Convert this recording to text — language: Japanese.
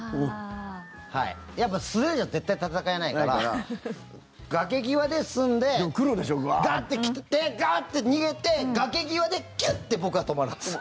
やっぱ素手じゃ絶対戦えないから崖際で住んでガーッて来て、ガーッて逃げて崖際でキュッて僕は止まるんです。